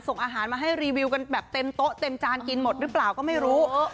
ส่งอาหารมาให้รีวิวกันแบบเต็มโต๊ะเต็มจานกินหมดหรือเปล่าก็ไม่รู้